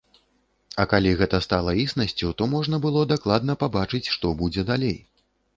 А калі гэта стала існасцю, то можна было дакладна пабачыць, што будзе далей.